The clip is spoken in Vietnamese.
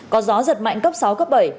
có gió giật mạnh cấp sáu cấp bảy